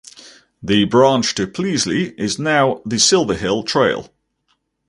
The branch to Pleasley is now the Silverhill Trail.